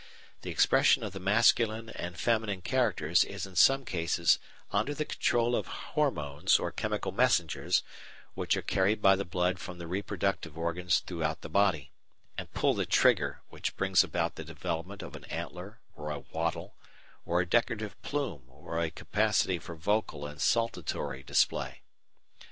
The expression of the masculine and feminine characters is in some cases under the control of hormones or chemical messengers which are carried by the blood from the reproductive organs throughout the body, and pull the trigger which brings about the development of an antler or a wattle or a decorative plume or a capacity for vocal and saltatory display.